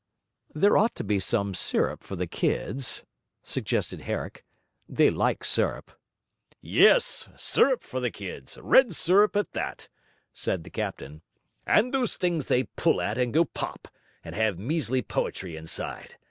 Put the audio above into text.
'There ought to be some syrup for the kids,' suggested Herrick; 'they like syrup.' 'Yes, syrup for the kids, red syrup at that!' said the captain. 'And those things they pull at, and go pop, and have measly poetry inside.